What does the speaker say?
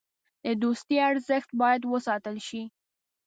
د دوستۍ ارزښت باید وساتل شي.